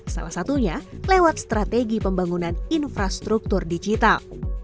salah satunya lewat strategi pembangunan infrastruktur digital